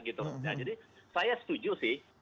jadi saya setuju sih